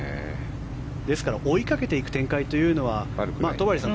ですから追いかけていく展開というのは戸張さん